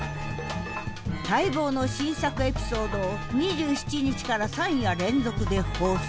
待望の新作エピソードを２７日から３夜連続で放送。